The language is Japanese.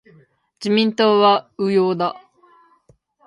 自民党は右翼だ。